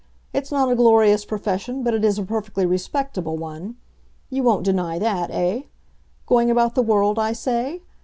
It's not a glorious profession, but it is a perfectly respectable one. You won't deny that, eh? Going about the world, I say?